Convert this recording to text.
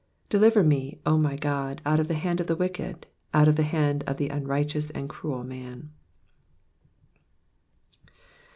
4 Deliver me, O my God, out of the hand of the wicked, out of the hand of the unrighteous and cruel man.